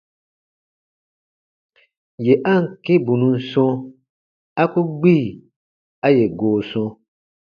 Yè a ǹ kĩ bù nun sɔ̃, a ku gbi a yè goo sɔ̃.